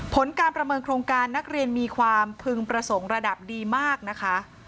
ผลการประเมินโครงการนักเรียนมีความพึงประสงค์ระดับดีมากนะคะ